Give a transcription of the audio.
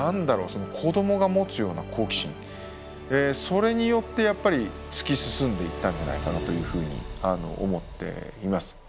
その子どもが持つような好奇心それによってやっぱり突き進んでいったんじゃないかなというふうに思っています。